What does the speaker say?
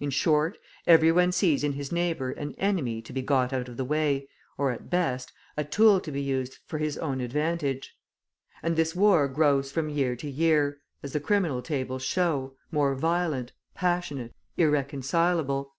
In short, every one sees in his neighbour an enemy to be got out of the way, or, at best, a tool to be used for his own advantage. And this war grows from year to year, as the criminal tables show, more violent, passionate, irreconcilable.